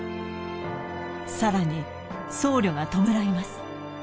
さらに僧侶が弔います